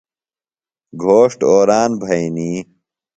گھوݜٹ اوران بھئنی۔